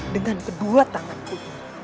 dengan kedua tanganku